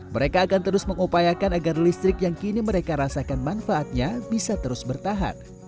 mereka akan terus mengupayakan agar listrik yang kini mereka rasakan manfaatnya bisa terus bertahan